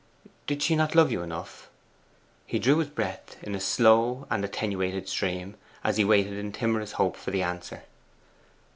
'Did she not love you enough?' He drew his breath in a slow and attenuated stream, as he waited in timorous hope for the answer.